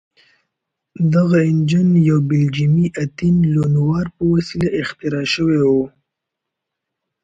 دغه انجن یو بلجیمي اتین لونوار په وسیله اختراع شوی و.